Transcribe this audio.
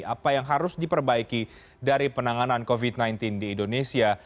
apa yang harus diperbaiki dari penanganan covid sembilan belas di indonesia